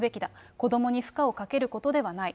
子どもに負荷をかけることではない。